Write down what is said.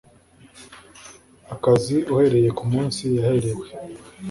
akazi uhereye ku munsi yaherewe